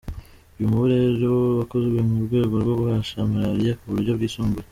Uwo mubu rero wakozwe mu rwego rwo guhasha malariya ku buryo bwisumbuye.